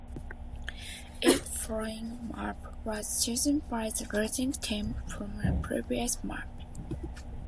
Each following map was chosen by the losing team from the previous map.